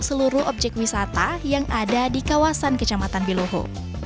seluruh objek wisata yang ada di kawasan kecamatan biluhu